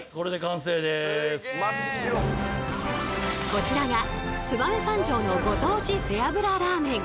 こちらが燕三条のご当地背脂ラーメン。